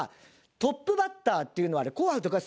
トップバッターっていうのはあれ『紅白歌合戦』